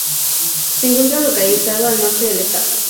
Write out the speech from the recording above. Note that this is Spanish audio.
Se encuentra localizado al norte del estado.